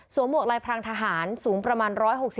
สูงหมวกลายพลังทหารสูงประมาณ